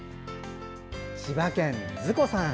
千葉県、津子さん。